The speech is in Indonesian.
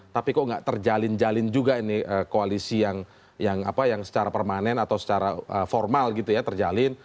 tapi kok nggak terjalin jalin juga ini koalisi yang secara permanen atau secara formal gitu ya terjalin